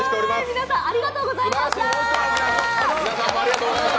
皆さんもありがとうございました。